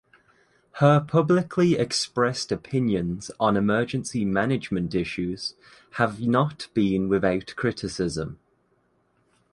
Her publicly expressed opinions on emergency management issues have not been without criticism.